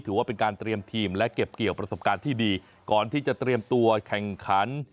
ถือว่าเป็นการเตรียมทีมและเก็บเกี่ยวประสบการณ์ที่ดีก่อนที่จะเตรียมตัวแข่งขัน